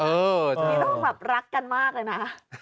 นี่ต้องแบบรักกันมากเลยนะ